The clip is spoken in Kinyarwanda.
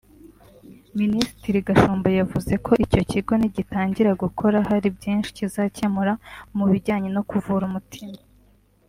Minisitiri Gashumba yavuze ko icyo kigo nigitangira gukora hari byinshi kizakemura mu bijyanye no kuvura umutima